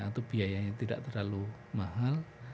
atau biayanya tidak terlalu mahal